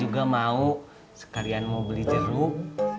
juga mau sekalian mau beli jeruk